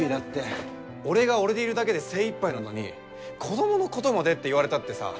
俺が俺でいるだけで精いっぱいなのに子どものことまでって言われたってさ。